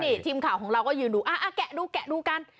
นี่ทีมข่าวก็ยืนดูแกะดูกัน